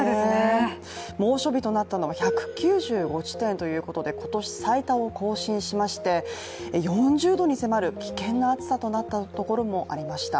猛暑日となったのは１９５地点ということで今年最多を更新しまして４０度に迫る危険な暑さとなったところもありました。